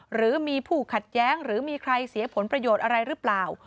หรือมีผู้ขัดแย้งหรือมีใครเสียผลประโยชน์อะไรหรือเปล่า